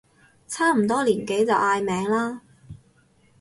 差唔多年紀就嗌名啦